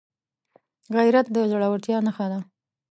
غیرت د زړورتیا نښه ده